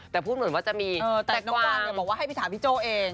แต่พูดเหมือนว่าจะมีแต่กว้างแต่น้องกว้างบอกว่าให้พี่ถามพี่โจ้เอง